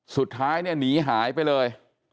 สุดท้ายเนี่ยหนีหายไปเลย